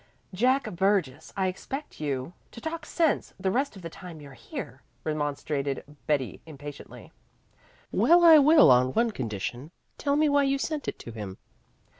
"Jack Burgess, I expect you to talk sense the rest of the time you're here," remonstrated Betty impatiently. "Well, I will on one condition. Tell me why you sent it to him."